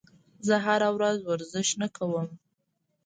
زه هره ورځ ورزش نه کوم.